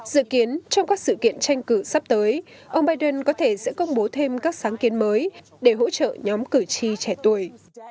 dự kiến trong các sự kiện tranh cử sắp tới ông biden có thể sẽ công bố thêm các sáng kiến mới để hỗ trợ nhóm cử tri trẻ tuổi